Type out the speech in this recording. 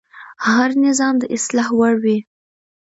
هر نظام د اصلاح وړ وي